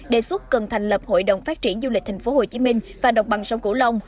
đề xuất cần thành lập hội đồng phát triển du lịch tp hcm và đồng bằng sông cửu long